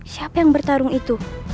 siapa yang bertarung itu